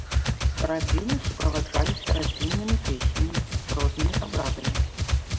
Радзіны суправаджаліся радзіннымі песнямі, рознымі абрадамі.